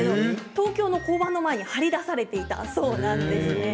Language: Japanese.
東京の交番の前に張り出されていたそうです。